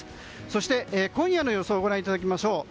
そして、今夜の予想ご覧いただきましょう。